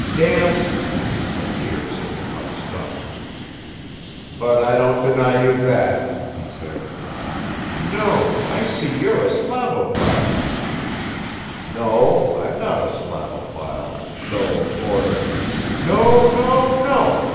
"Damn ...," but here Sitnikov stopped. "But I don't deny you that," he said. "No, I see you're a Slavophil!" "No, I'm not a Slavophil, though, of course ...." "No, no, no!